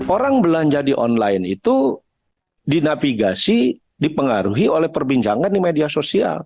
orang belanja di online itu dinavigasi dipengaruhi oleh perbincangan di media sosial